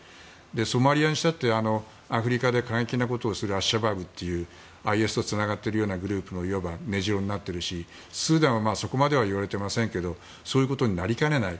ソマリアにしたってアフリカで過激なことをするアッシャバーブというＩＳとつながっているグループのいわば根城になっているしスーダンはそこまでは言われていませんけれどそういうことになりかねない。